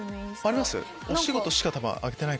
あります？